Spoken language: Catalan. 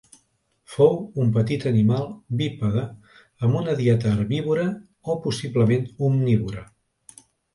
Fou un petit animal bípede amb una dieta herbívora o possiblement omnívora.